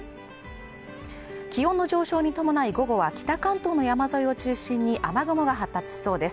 気温の上昇に伴い午後は北関東の山沿いを中心に雨雲が発達しそうです